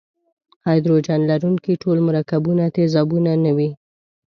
هایدروجن لرونکي ټول مرکبونه تیزابونه نه وي.